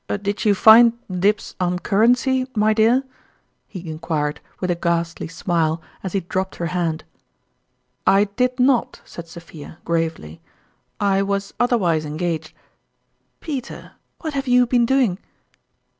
" Did you find Dills on Currency, my dear ?" he inquired, with a ghastly smile, as he dropped her hand. " I did not," said Sophia, gravely ;" I was otherwise engaged. Peter, what have you been doing